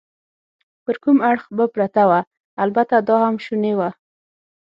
پر کوم اړخ به پرته وه؟ البته دا هم شونې وه.